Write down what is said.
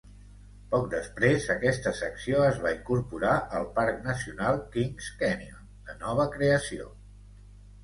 Poc després, aquesta secció es va incorporar al Parc Nacional Kings Canyon de nova creació.